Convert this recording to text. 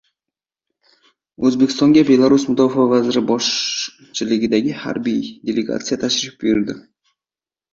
O‘zbekistonga Belarus mudofaa vaziri boshchiligidagi harbiy delegatsiya tashrif buyurdi